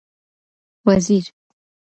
وزیر